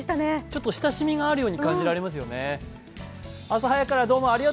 ちょっと親しみがあるように感じられますよね。